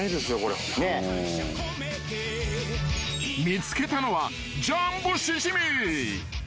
［見つけたのはジャンボシジミ］